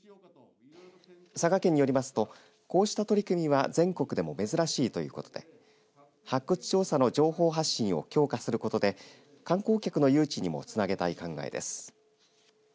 佐賀県によりますとこうした取り組みは全国でも珍しいということで発掘調査の情報発信を強化することで観光客の誘致にもつなげたい考えです。